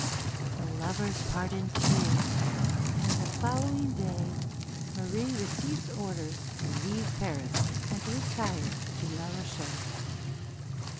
The lovers part in tears, and the following day Marie receives orders to leave Paris and to retire to La Rochelle.